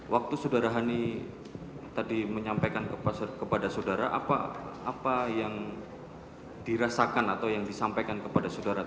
waktu saudara hani tadi menyampaikan kepada saudara apa yang dirasakan atau yang disampaikan kepada saudara